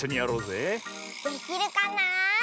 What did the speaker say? できるかな？